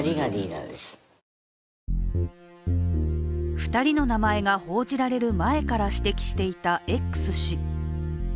２人の名前が報じられる前から指摘していたＸ氏